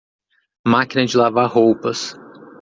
Máquina de lavar roupas.